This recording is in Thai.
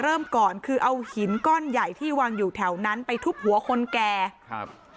เริ่มก่อนคือเอาหินก้อนใหญ่ที่วางอยู่แถวนั้นไปทุบหัวคนแก่ครับ